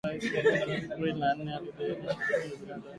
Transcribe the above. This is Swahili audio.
Rais Kenyatta Aprili nne aliidhinisha shilingi bilioni thelathini na nne